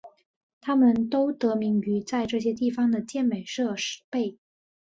它们都得名于在这些地方的健美设备。